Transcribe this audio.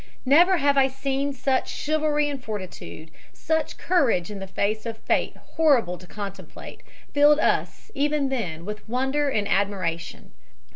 Never have I seen such chivalry and fortitude. Such courage in the face of fate horrible to contemplate filled us even then with wonder and admiration."